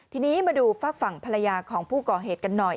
ทีนี้มาดูฝากฝั่งภรรยาของผู้ก่อเหตุกันหน่อย